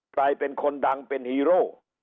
กลายเป็นคนดังเป็นฮีโร่